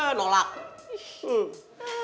udah mau ke sana